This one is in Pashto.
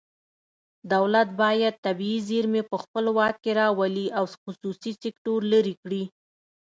دولت باید طبیعي زیرمې په خپل واک کې راولي او خصوصي سکتور لرې کړي